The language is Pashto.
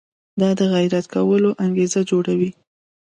دا د غیرت کولو انګېزه جوړوي.